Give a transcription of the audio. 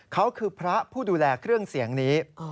เขาคือพระผู้ดูแลเครื่องเสียงนี้